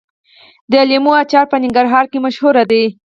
د لیمو اچار په ننګرهار کې مشهور دی.